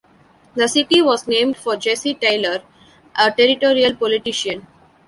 The city was named for Jesse Taylor, a territorial politician.